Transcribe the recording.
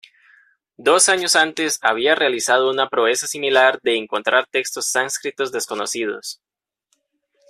Dos años antes había realizado una proeza similar, de encontrar textos sánscritos desconocidos.